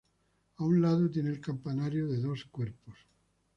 A un lado tiene el campanario, de dos cuerpos.